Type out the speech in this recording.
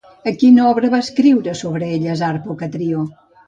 A quina obra va escriure sobre elles Harpocratió?